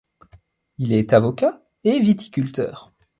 Il est avocat et viticulteur.